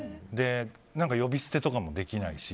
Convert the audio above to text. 呼び捨てとかもできないし。